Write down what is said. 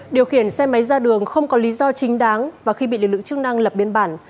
điều khiển xe máy ra đường không có lý do chính đáng và khi bị lực lượng chức năng lập biên bản